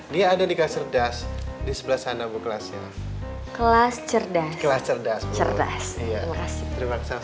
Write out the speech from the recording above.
dia ada dikasih das di sebelah sana bu kelasnya kelas cerdas kelas cerdas cerdas terima kasih